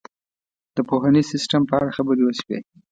د پوهنیز سیستم په اړه خبرې وشوې.